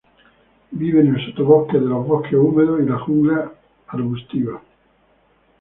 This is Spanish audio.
Vive en el sotobosque de los bosques húmedos y la jungla arbustiva.